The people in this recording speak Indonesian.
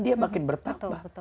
dia makin bertambah